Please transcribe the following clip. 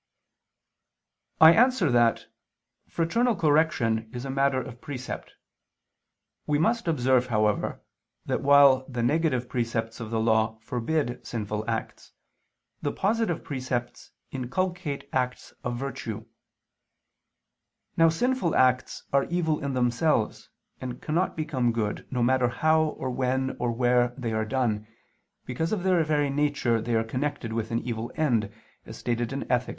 I answer that, Fraternal correction is a matter of precept. We must observe, however, that while the negative precepts of the Law forbid sinful acts, the positive precepts inculcate acts of virtue. Now sinful acts are evil in themselves, and cannot become good, no matter how, or when, or where, they are done, because of their very nature they are connected with an evil end, as stated in _Ethic.